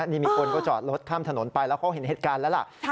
นี่มีคนก็จอดรถข้ามถนนไปแล้วเขาเห็นเหตุการณ์แล้วล่ะ